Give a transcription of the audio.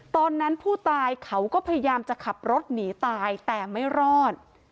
ตอนนั้นผู้ตายเขาก็พยายามจะขับรถหนีตายแต่ไม่รอด